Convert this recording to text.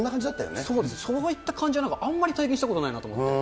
そうです、そういった感じはあんまり体験したことないなと思って。